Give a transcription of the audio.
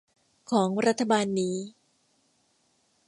ของรัฐบาลนี้